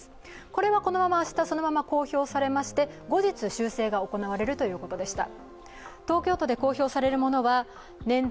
これはこのまま明日公表されまして後日修正が行われるということでした。